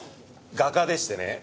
画家でしてね。